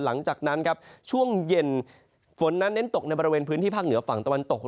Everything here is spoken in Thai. หลังจากนั้นครับช่วงเย็นฝนนั้นเน้นตกในบริเวณพื้นที่ภาคเหนือฝั่งตะวันตก